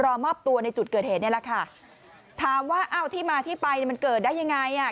รอมอบตัวในจุดเกิดเหตุนี่แหละค่ะถามว่าอ้าวที่มาที่ไปเนี่ยมันเกิดได้ยังไงอ่ะ